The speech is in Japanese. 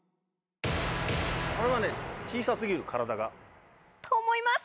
これは小さ過ぎる体が。と思います！